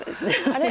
あれ？